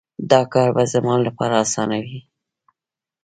دا کار به زما لپاره اسانه وي